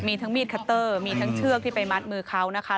มีทั้งมีดคัตเตอร์มีทั้งเชือกที่ไปมัดมือเขานะคะ